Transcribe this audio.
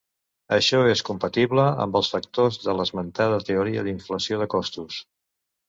Això és compatible amb els factors de l'esmentada teoria d'inflació de costos.